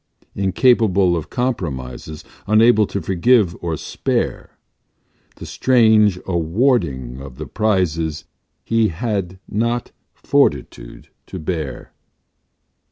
Incapable of compromises, Unable to forgive or spare, The strange awarding of the prizes He had not fortitude to bear.